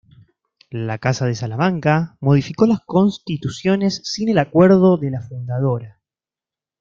La casa de Salamanca modificó las constituciones sin el acuerdo de la fundadora.